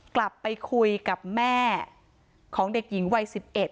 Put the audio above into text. กลับไปคุยกับแม่ของเด็กหญิงวัย๑๑